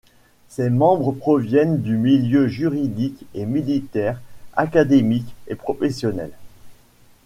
Ses membres proviennent du milieu juridique et militaire, académique et professionnel.